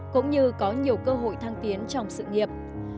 cũng như có nhiều cơ hội thăng tiến trong sự nghiệp